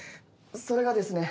それがですね